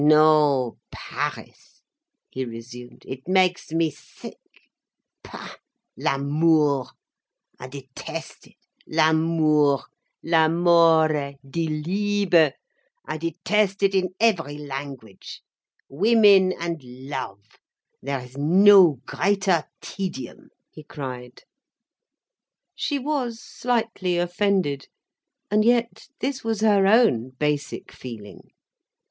"No—Paris," he resumed, "it makes me sick. Pah—l'amour. I detest it. L'amour, l'amore, die Liebe—I detest it in every language. Women and love, there is no greater tedium," he cried. She was slightly offended. And yet, this was her own basic feeling.